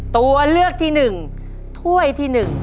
ตัวเลือกที่๑ถ้วยที่๑